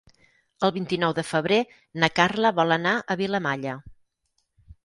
El vint-i-nou de febrer na Carla vol anar a Vilamalla.